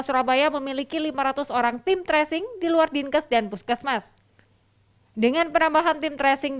surabaya memiliki lima ratus orang tim tracing di luar dinkes dan puskesmas dengan penambahan tim tracing